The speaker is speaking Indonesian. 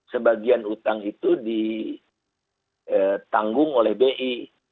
sebagian utang itu ditanggung oleh bi